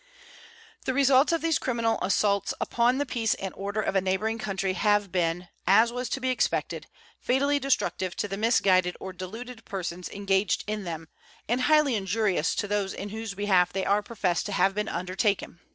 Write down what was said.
The results of these criminal assaults upon the peace and order of a neighboring country have been, as was to be expected, fatally destructive to the misguided or deluded persons engaged in them and highly injurious to those in whose behalf they are professed to have been undertaken.